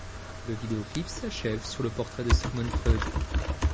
Le vidéo-clip s'achève sur le portrait de Sigmund Freud.